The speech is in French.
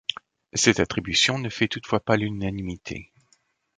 Cette attribution ne fait toutefois pas l'unanimité.